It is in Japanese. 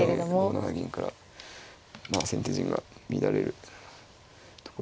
５七銀からまあ先手陣が乱れるところですので。